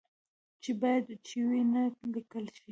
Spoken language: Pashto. چې باید چي و نه لیکل شي